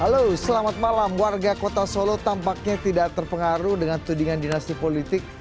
halo selamat malam warga kota solo tampaknya tidak terpengaruh dengan tudingan dinasti politik